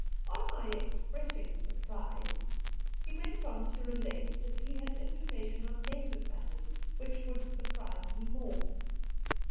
On my expressing surprise, he went on to relate that he had information on native matters which would surprise me more.